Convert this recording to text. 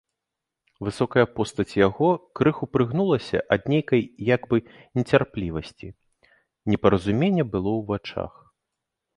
Высокая постаць яго крыху прыгнулася ад нейкай як бы нецярплівасці, непаразуменне было ў вачах.